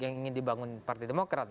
yang ingin dibangun partai demokrat